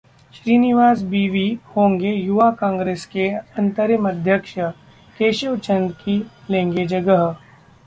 श्रीनिवास बी.वी. होंगे युवा कांग्रेस के अंतरिम अध्यक्ष, केशव चंद की लेंगे जगह